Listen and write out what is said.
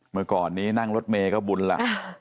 เมื่อก่อนนี้นั่งรถเมย์ก็บุญแล้ว